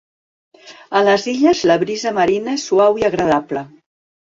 A les illes la brisa marina és suau i agradable.